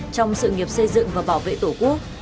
trong sự nghiệp xây dựng và bảo vệ tổ quốc